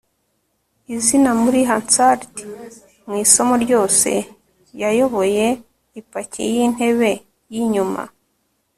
izina muri hansard. mu isomo ryose, yayoboye ipaki yintebe yinyuma